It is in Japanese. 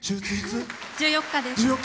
１４日です。